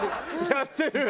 やってるよ。